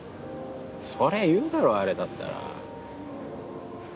そりゃ言うだろうあれだったら。